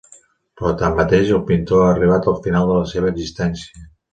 Però, tanmateix, el pintor ha arribat al final de la seva existència.